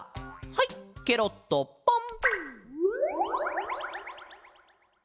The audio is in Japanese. はいケロッとポン！